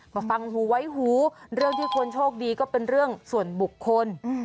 ก็ฟังหูไว้หูเรื่องที่คนโชคดีก็เป็นเรื่องส่วนบุคคล